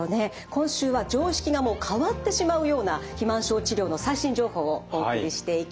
今週は常識が変わってしまうような肥満症治療の最新情報をお送りしていきます。